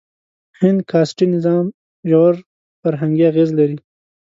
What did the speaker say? هند کاسټي نظام ژور فرهنګي اغېز لري.